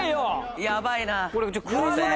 やばいな！